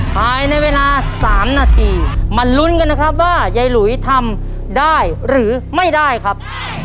ภายในเวลา๓นาทีมาลุ้นกันนะครับว่ายายหลุยทำได้หรือไม่ได้ครับ